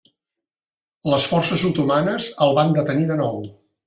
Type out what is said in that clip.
Les forces otomanes el van detenir de nou.